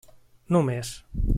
Només.